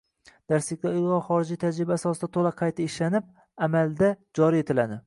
darsliklar ilg‘or xorijiy tajriba asosida to‘la qayta ishlanib, amalda joriy etiladi.